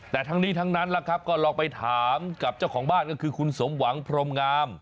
แต่ทั้งนี้ทั้งนั้นล่ะครับก็ลองไปถามกับเจ้าของบ้านก็คือคุณสมหวังพรมงาม